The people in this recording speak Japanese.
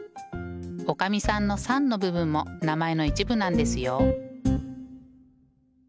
おかみさんの「さん」の部分も名前の一部なんですよ。